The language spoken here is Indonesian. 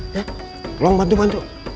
ya tolong bantu bantu